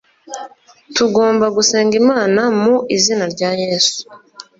Tugomba gusenga Imana mu izina rya Yesu